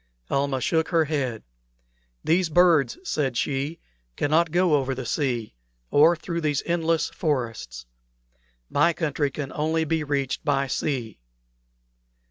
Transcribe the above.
Almah shook her head. "These birds," said she, "cannot go over the sea, or through these endless forests. My country can only be reached by sea."